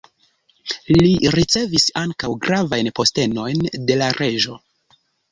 Li ricevis ankaŭ gravajn postenojn de la reĝo.